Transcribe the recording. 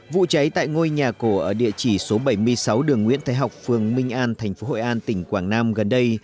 vụ cháy tại ngôi nhà cổ ở địa chỉ số bảy mươi sáu đường nguyễn thái học phường minh an tp hội an tỉnh quảng nam gần đây